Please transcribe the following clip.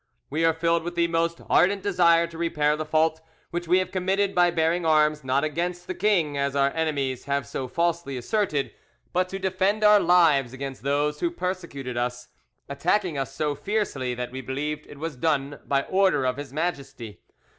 We are filled with the most ardent desire to repair the fault which we have committed by bearing arms, not against the king, as our enemies have so falsely asserted, but to defend our lives against those who persecuted us, attacking us so fiercely that we believed it was done by order of His Majesty.